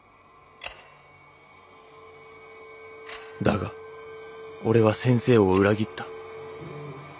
「だが俺は先生を裏切った。